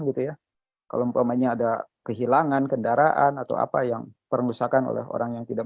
gitu ya kalau umpamanya ada kehilangan kendaraan atau apa yang permusakan oleh orang yang tidak